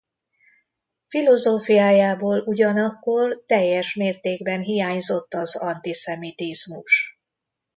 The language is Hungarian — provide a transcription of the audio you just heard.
Filozófiájából ugyanakkor teljes mértékben hiányzott az antiszemitizmus.